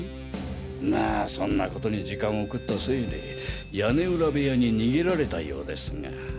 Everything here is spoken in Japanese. まあそんなことに時間を食ったせいで屋根裏部屋に逃げられたようですが。